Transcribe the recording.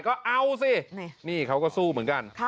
ก็เอาสินี่เขาก็สู้เหมือนกัน